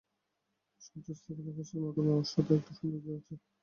সূর্যাস্তকালে আকাশের মতো মুমূর্ষুতার একটা সৌন্দর্য আছে, তারা তাই দেখে মুগ্ধ।